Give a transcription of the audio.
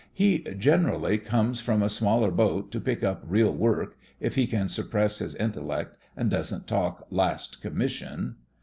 "He generally comes from a smaller boat, to pick up real work — if he can suppress his intellect and doesn't talk 'last commission.'"